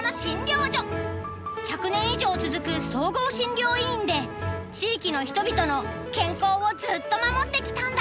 １００年以上続く総合診療医院で地域の人々の健康をずっと守ってきたんだ。